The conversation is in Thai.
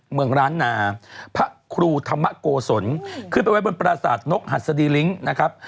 เมืองร้านนาพระครูธรรมโกศลขึ้นไปไว้บนปราศาสตร์นกหัสดีลิ้งนะครับ